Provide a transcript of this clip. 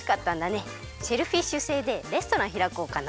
シェルフィッシュ星でレストランひらこうかな。